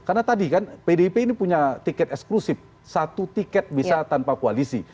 karena tadi kan pdip ini punya tiket eksklusif satu tiket bisa tanpa koalisi